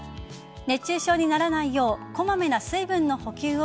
熱中症にならないようこまめな水分の補給を